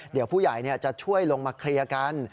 เดี๋ยวผู้ใหญ่จะช่วยลงมาเคลียร์กัน